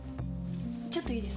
ちょっといいですか？